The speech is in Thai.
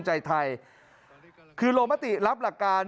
เดี๋ยวค่อยว่ากัน